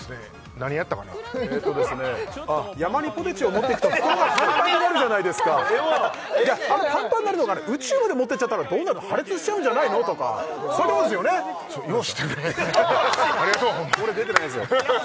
何やったかな山にポテチを持ってくと袋がパンパンになるじゃないですかあのパンパンになるのが宇宙まで持ってっちゃったら破裂しちゃうんじゃないの？とかそういうとこですよねよう知ってるねありがとう俺出てないですよ